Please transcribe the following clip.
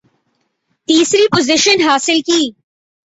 تیسری پوزیشن حاصل کی